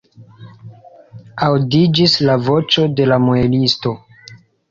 Aŭdiĝis la voĉo de la muelisto.